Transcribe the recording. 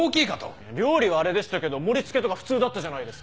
料理はあれでしたけど盛り付けとか普通だったじゃないですか。